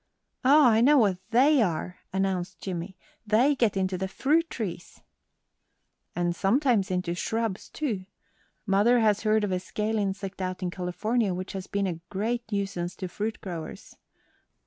"Oh, I know what they are," announced Jimmie, "they get into the fruit trees." "And sometimes onto shrubs, too. Mother has heard of a scale insect out in California which has been a great nuisance to fruit growers.